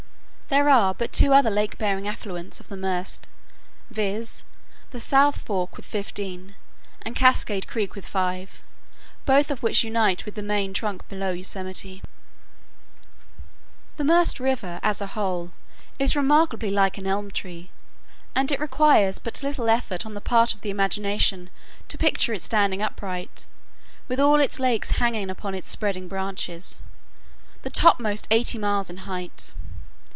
There are but two other lake bearing affluents of the Merced, viz., the South Fork with fifteen, and Cascade Creek with five, both of which unite with the main trunk below Yosemite. [Illustration: LAKE TENAYA, ONE OF THE YOSEMITE FOUNTAINS.] The Merced River, as a whole, is remarkably like an elm tree, and it requires but little effort on the part of the imagination to picture it standing upright, with all its lakes hanging upon its spreading branches, the topmost eighty miles in height.